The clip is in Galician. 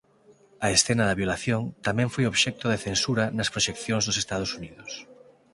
A escena da violación tamén foi obxecto de censura nas proxeccións dos Estados Unidos.